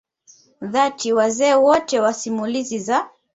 dhati wazee wote wa simulizi za